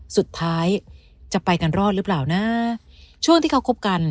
สุดท้ายจะไปกันรอดหรือเปล่านะช่วงที่เขาคบกัน